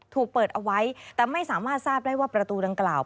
ถูกเปิดเอาไว้แต่ไม่สามารถทราบได้ว่าประตูดังกล่าว